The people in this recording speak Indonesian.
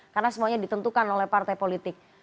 karena semuanya ditentukan oleh partai politik